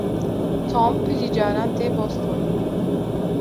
Tom pirî caran tê bostonê.